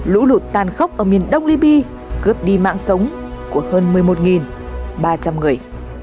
lũ lụt tan khốc ở miền đông liby cướp đi mạng sống của hơn một mươi một ba trăm linh người